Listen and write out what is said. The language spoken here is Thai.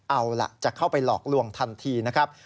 เอาล่ะจะเข้าไปหลอกลวงทันทีนะครับ